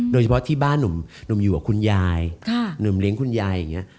โดยเฉพาะที่บ้านหนุ่มอยู่กับคุณยายหนุ่มเลี้ยงคุณยายอย่างนี้